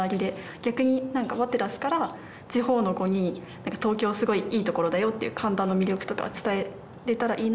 逆にワテラスから地方の子に「東京すごいいい所だよ」っていう神田の魅力とか伝えれたらいいな。